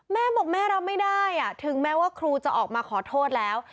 แม่บอกแม่รับไม่ได้ถึงแม้ว่าครูจะออกมาขอโทษแล้ว